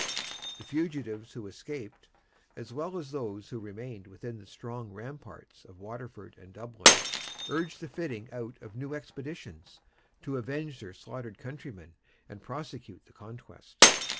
The fugitives who escaped, as well as those who remained within the strong ramparts of Waterford and Dublin, urged the fitting out of new expeditions, to avenge their slaughtered countrymen and prosecute the conquest.